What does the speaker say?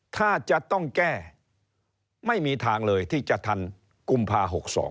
ถ้าจะต้องแก้ไม่มีทางเลยที่จะทันกุมภา๖๒